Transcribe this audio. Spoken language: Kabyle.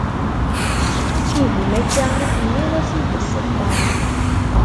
Ihi ma akka i tenniḍ a sidi Selṭan.